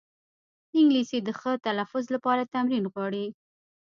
انګلیسي د ښه تلفظ لپاره تمرین غواړي